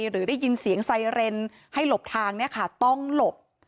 หรือได้ยินเสียงไซเรนให้หลบทางต้องหลบ